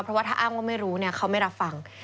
เพราะว่าถ้าอ้างว่าไม่รู้เขาไม่รับฟัง